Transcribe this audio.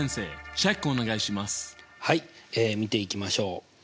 はい見ていきましょう。